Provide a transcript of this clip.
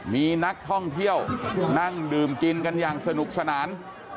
มีนักท่องเที่ยวนั่งดื่มกินกันอย่างสนุกสนาน